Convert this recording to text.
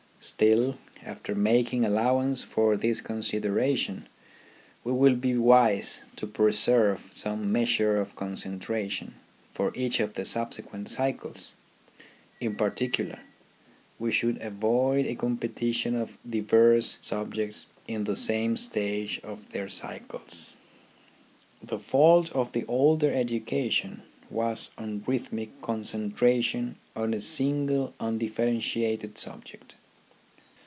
Still, after making allowance for this consideration, we will be wise to preserve some measure of concentration for each of the subsequent cycles. In particular, we should avoid a competition of diverse subjects in the same stage of their cycles. The fault of the older education was unrhythmic concentration on a single undifferentiated subject.